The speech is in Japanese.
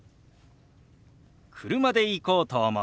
「車で行こうと思う」。